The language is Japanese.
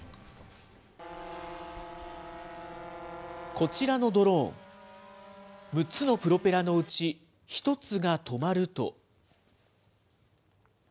こちらのドローン、６つのプロペラのうち１つが止まると。